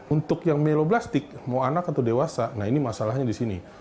untuk yang meloblastik mau anak atau dewasa nah ini masalahnya di sini